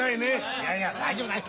いやいや大丈夫だよ。